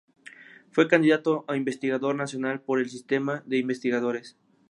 Fue candidato a Investigador Nacional, por el Sistema Nacional de Investigadores.